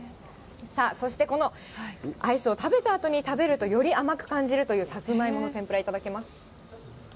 そして、このアイスを食べたあとに食べるとより甘く感じるというサツマイモの天ぷら頂きます。